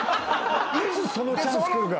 いつそのチャンス来るか。